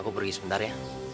aku pergi sebentar ya